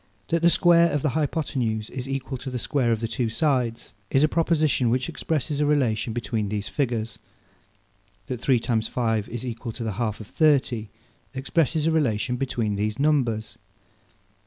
That the square of the hypothenuse is equal to the square of the two sides, is a proposition which expresses a relation between these figures. That three times five is equal to the half of thirty, expresses a relation between these numbers.